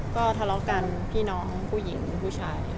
ก็ทะเลาะกันพี่น้องผู้หญิงผู้ชาย